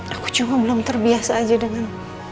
aku cuma belum terbiasa aja dengan